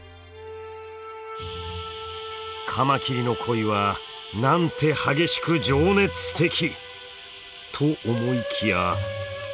カマキリの恋はなんて激しく情熱的！と思いきや。